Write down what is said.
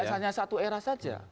hanya satu era saja